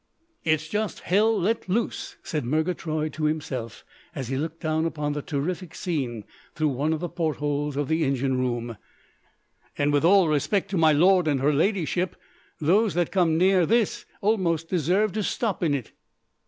"It's just Hell let loose!" said Murgatroyd to himself as he looked down upon the terrific scene through one of the port holes of the engine room; "and, with all respect to my lord and her ladyship, those that come this near almost deserve to stop in it."